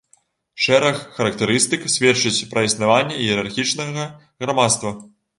Шэраг характарыстык сведчыць пра існаванне іерархічнага грамадства.